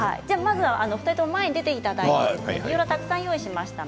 お二人とも前に出ていただいてビオラをたくさん用意しました。